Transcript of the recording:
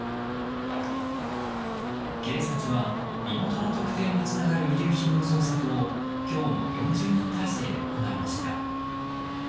警察は身元の特定につながる遺留品の捜索を今日も４０人態勢で行いました。